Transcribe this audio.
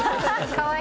かわいい。